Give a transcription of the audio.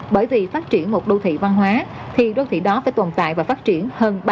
bởi vì phát triển một đô thị văn hóa thì đô thị đó phải tồn tại và phát triển hơn ba trăm linh năm